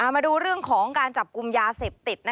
มาดูเรื่องของการจับกลุ่มยาเสพติด